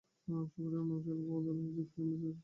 শুকরের মাংস, এলকোহল, তাস, মিউজিক, ফিল্ম, ফ্যাশন, পর্ন?